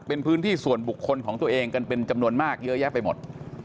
เป็นพื้นที่ส่วนบุคคลของตัวเองกันเป็นจำนวนมากเยอะแยะไปหมด